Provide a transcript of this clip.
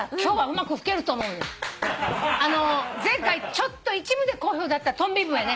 あの前回ちょっと一部で好評だったトンビ笛ね。